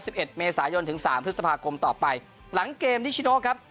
เอ็ดเมษายนถึงสามพฤษภาคมต่อไปหลังเกมนิชโนครับ